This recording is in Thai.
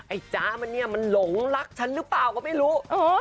จ๊ะมันเนี่ยมันหลงรักฉันหรือเปล่าก็ไม่รู้